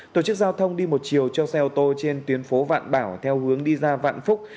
tổ chức giao thông đi một chiều cho xe ô tô trên tuyến phố vạn bảo theo hướng đi ra vạn phúc